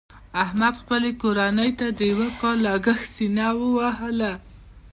احمد خپلې کورنۍ ته د یو کال لګښت سینه ووهله.